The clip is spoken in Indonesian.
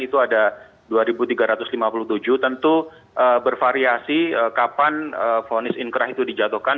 itu ada dua tiga ratus lima puluh tujuh tentu bervariasi kapan vonis inkrah itu dijatuhkan